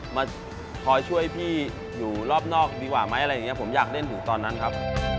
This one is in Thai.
มาคอยช่วยพี่อยู่รอบนอกดีกว่าไหมอะไรอย่างเงี้ผมอยากเล่นถึงตอนนั้นครับ